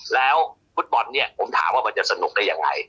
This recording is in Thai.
แล้วฟุตบอลเนี่ยผมถามว่ามันจะสนุกได้ยังไง